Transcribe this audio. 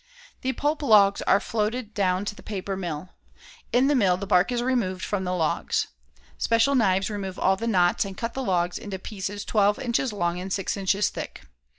The pulp logs are floated down to the paper mill. In the mill the bark is removed from the logs. Special knives remove all the knots and cut the logs into pieces twelve inches long and six inches thick.